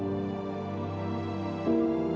terima kasih tuhan